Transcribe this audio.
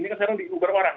ini kan sekarang diubah orang